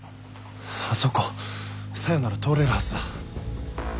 あそこ小夜なら通れるはずだ。